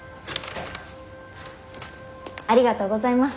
ありがとうございます。